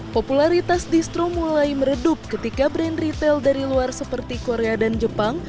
popularitas distro mulai meredup ketika brand retail dari luar seperti korea dan jepang